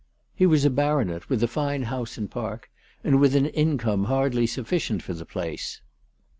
He was a baronet with, a fine house and park, and with an income hardly sufficient for the place.